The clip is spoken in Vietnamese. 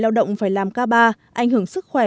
lao động phải làm ca ba ảnh hưởng sức khỏe